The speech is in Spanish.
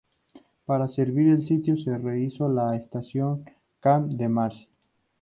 Para servir el sitio, se rehízo la estación Champ-de-Mars.